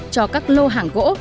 cho các lô hàng gỗ